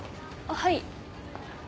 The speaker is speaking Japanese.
はい。